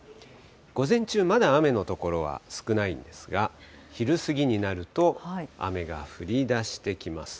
午前中、まだ雨の所は少ないですが、昼過ぎになると、雨が降りだしてきます。